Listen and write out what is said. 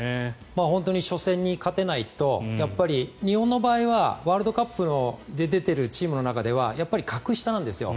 本当に初戦に勝てないとやっぱり日本の場合はワールドカップに出ているチームの中ではやっぱり格下なんですよ。